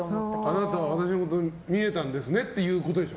あなたは私のこと見えたんですねってことでしょ？